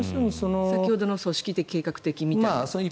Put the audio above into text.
先ほどの組織的・計画的みたいな？